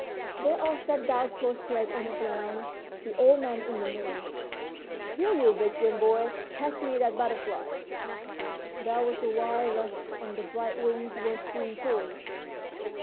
They all sat down cross legged on the ground, the old man in the middle. "Here, you big Jim boy, catch me that butterfly." There was a wild rush, and the bright wings were soon caught.